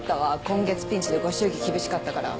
今月ピンチでご祝儀厳しかったから。